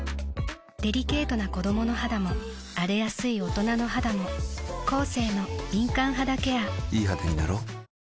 デリケートな子どもの肌も荒れやすい大人の肌もコーセーの「敏感肌ケア」いい肌になろう。